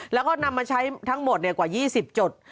แล้วก็นำมาใช้ทั้งหมดกว่า๒๐จุด